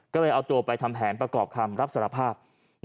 ก็เลยเอาตัวไปทำแผนประกอบคำรับสารภาพ